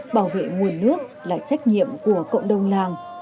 bảo vệ nguồn nước là trách nhiệm của cộng đồng làng